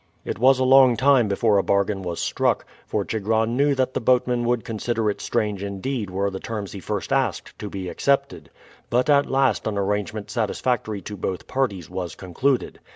It was a long time before a bargain was struck, for Chigron knew that the boatman would consider it strange indeed were the terms he first asked to be accepted. But at last an arrangement satisfactory to both parties was concluded.